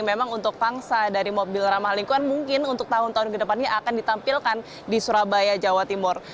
memang untuk pangsa dari mobil ramah lingkungan mungkin untuk tahun tahun ke depannya akan ditampilkan di surabaya jawa timur